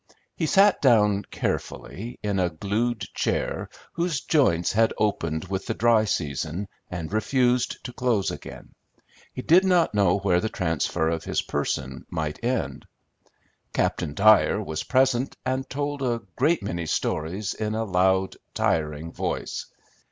He sat down, carefully, in a glued chair whose joints had opened with the dry season and refused to close again; he did not know where the transfer of his person might end. Captain Dyer was present, and told a great many stories in a loud, tiring voice.